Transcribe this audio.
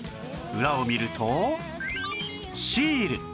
裏を見るとシール。